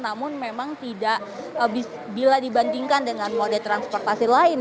namun memang tidak bila dibandingkan dengan mode transportasi lain